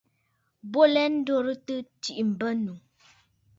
Bo lɛ ndoritə tsiʼi mbə̂nnù.